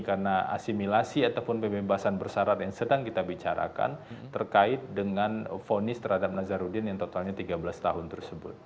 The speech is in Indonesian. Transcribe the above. karena asimilasi ataupun pembebasan bersarat yang sedang kita bicarakan terkait dengan fonis terhadap nazaruddin yang totalnya tiga belas tahun tersebut